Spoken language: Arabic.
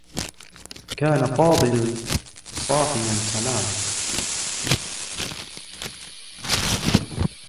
كان فاضل صاحيا تماما.